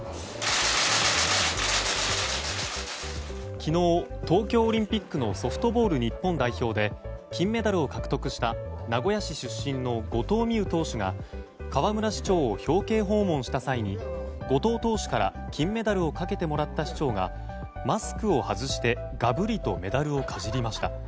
昨日、東京オリンピックのソフトボール日本代表で金メダルを獲得した名古屋市出身の後藤希友投手が河村市長を表敬訪問した際に後藤投手から金メダルをかけてもらった市長がマスクを外してがぶりとメダルをかじりました。